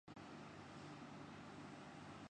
ایک تو ان کی زبان ہی ایسی لگتی ہے۔